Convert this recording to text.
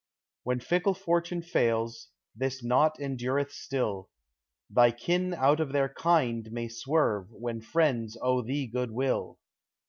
When fickle fortune fails, this knot endureth still; Thy kin out of their kind may swerve, when friends owe thee good will.